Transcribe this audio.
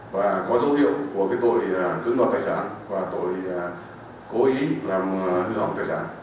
và có dấu hiệu của cái tội cướp đột tài sản và tội cố ý làm hư hỏng tài sản